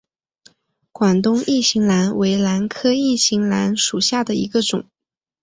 广东异型兰为兰科异型兰属下的一个种。